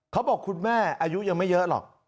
คุณแม่อายุยังไม่เยอะหรอก